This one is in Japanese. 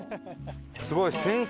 すごい。